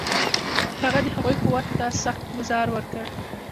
هغه د هغوی قوت ته سخت ګوزار ورکړ.